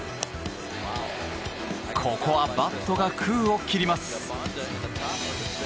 ここはバットが空を切ります。